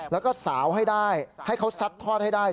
แล้วก็สาวให้ได้ให้เขาซัดทอดให้ได้